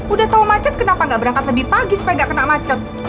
udah tahu macet kenapa nggak berangkat lebih pagi supaya nggak kena macet